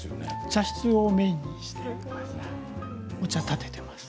茶室をメインにしてお茶をたてています。